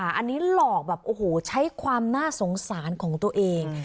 อันนี้หลอกแบบโอ้โหใช้ความน่าสงสารของตัวเอง